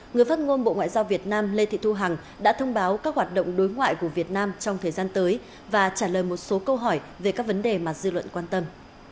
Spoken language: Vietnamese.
người phát ngôn bộ ngoại giao việt nam lê thị thu hằng đã thông báo các hoạt động đối ngoại của việt nam trong thời gian tới và trả lời một số câu hỏi về các vấn đề mà dư luận quan tâm